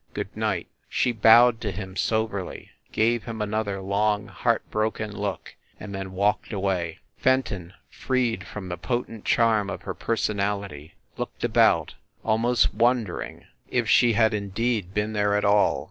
Good night." She bowed to him soberly, gave him another long, heartbroken look, and then walked away. Fenton, freed from the potent charm of her per sonality, looked about, almost, wondering if she had 48 FIND THE WOMAN indeed been there at all.